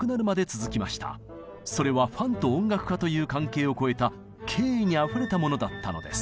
それはファンと音楽家という関係を超えた敬意にあふれたものだったのです。